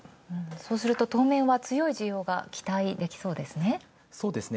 そうすると当面は強い需要が期待できそうですね。